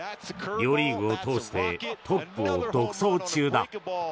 両リーグを通してトップを独走中だ。